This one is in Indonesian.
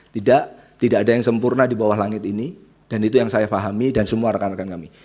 tidak tidak ada yang sempurna di bawah langit ini dan itu yang saya pahami dan semua rekan rekan kami